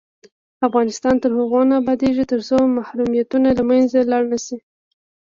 افغانستان تر هغو نه ابادیږي، ترڅو محرومیتونه له منځه لاړ نشي.